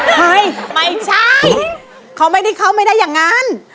ไม่ใช่เขาไม่ได้เข้าไม่ได้อย่างนั้น